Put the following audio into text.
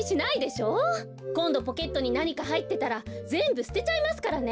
こんどポケットになにかはいってたらぜんぶすてちゃいますからね！